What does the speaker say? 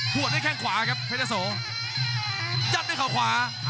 หัวด้วยแข้งขวาครับเพชรยะโสยัดด้วยเขาขวา